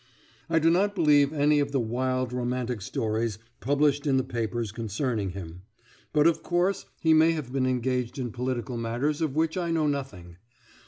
I do not believe any of the wild, romantic stories published in the papers concerning him; but of course he may have been engaged in political matters of which I know nothing.